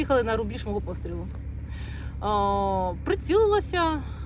mereka baru saja menerbang di lingkungan penjara saya